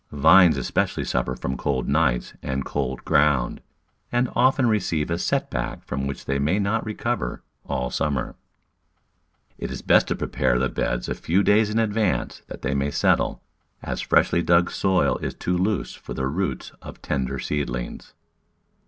Vines especially suffer from cold nights and cold ground, and often receive a set back from which they may not recover all summer. It is best to prepare the beds a few days in advance that they may settle, as freshly dug soil is too loose for the roots of tender seedlings.